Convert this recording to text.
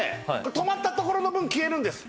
止まったところの分消えるんです